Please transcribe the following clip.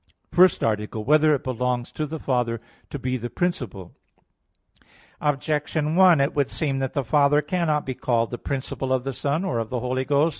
_______________________ FIRST ARTICLE [I, Q. 33, Art. 1] Whether It Belongs to the Father to Be the Principle? Objection 1: It would seem that the Father cannot be called the principle of the Son, or of the Holy Ghost.